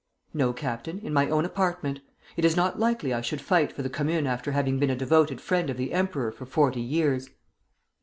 'No, Captain, in my own apartment. It is not likely I should fight for the Commune after having been a devoted friend of the emperor for forty years.'